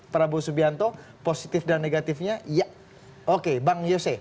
prabowo subianto positif dan negatifnya ya oke bang yose